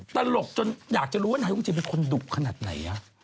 ตลกจนอยากจะรู้ว่านายกรุงจีนเป็นคนดุขนาดไหน